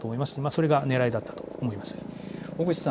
それがねらいだと思います。